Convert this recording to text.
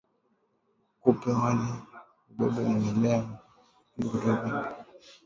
Kupe walio salama hubeba vimelea vya maambukizi kutoka kwa mnyama mwenye maambukizi